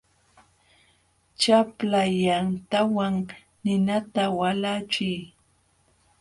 Chapla yantawan ninata walachiy.